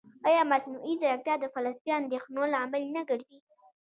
ایا مصنوعي ځیرکتیا د فلسفي اندېښنو لامل نه ګرځي؟